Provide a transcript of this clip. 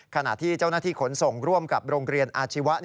ขณะที่เจ้าหน้าที่ขนส่งร่วมกับโรงเรียนอาชีวะ